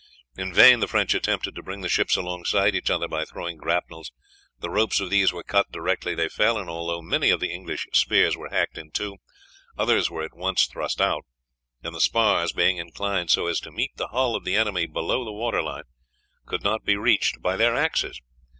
In vain the French attempted to bring the ships alongside each other by throwing grapnels; the ropes of these were cut directly they fell, and although many of the English spears were hacked in two, others were at once thrust out, and the spars, being inclined so as to meet the hull of the enemy below the water line, could not be reached by their axes.